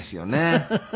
フフフフ。